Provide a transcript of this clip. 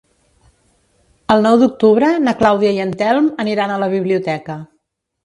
El nou d'octubre na Clàudia i en Telm aniran a la biblioteca.